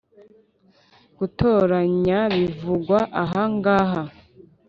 Gutoranya bivugwa aha ngaha